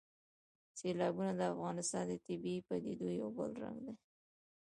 سیلابونه د افغانستان د طبیعي پدیدو یو بل رنګ دی.